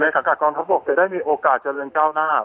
กรรมทัพ๖จะได้มีโอกาสเจริญเจ้าหน้า